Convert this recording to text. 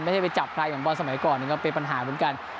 ไม่ใช่ไปจับใครอย่างบอลสมัยก่อนก็เป็นปัญหาเหมือนกัน